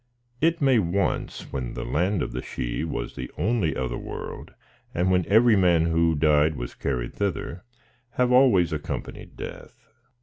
It may once, when the land of the Sidhe was the only other world, and when every man who died was carried thither, have always accom panied death.